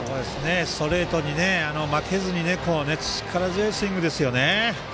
ストレートに負けずに力強いスイングですよね。